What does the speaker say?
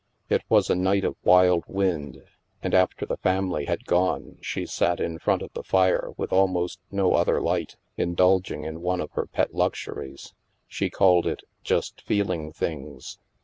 It was a night of wild wind, and after the family had gone, she sat in front of the fire with almost no other light, indulging in one of her pet luxuries. She called it " just feeling things."